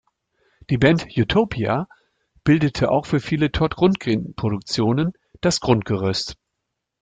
Die Band Utopia bildete auch für viele Todd-Rundgren-Produktionen das Grundgerüst.